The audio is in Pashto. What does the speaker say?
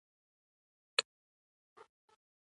ازتکانو د مایا د واک ټوله سیمه ونیوله.